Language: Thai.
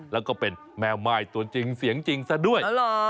แล้วก็เป็นแม่ม่ายตัวจริงเสียงจริงซะด้วย